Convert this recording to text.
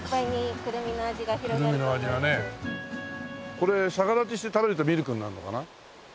これ逆立ちして食べると「みるく」になるのかな？